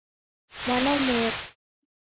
Mwana umweri